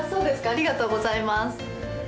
ありがとうございます